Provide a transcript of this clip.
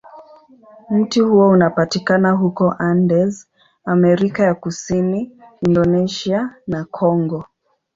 Mti huo unapatikana huko Andes, Amerika ya Kusini, Indonesia, na Kongo.